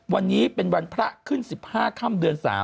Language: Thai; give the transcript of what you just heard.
วันนี้เป็นวันพระขึ้น๑๕ค่ำเดือน๓